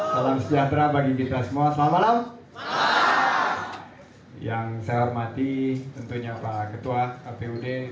salam sejahtera bagi kita semua selamat malam yang saya hormati tentunya pak ketua kpud